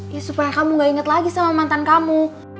ya supaya kamu nggak inget lagi sama mantan kamu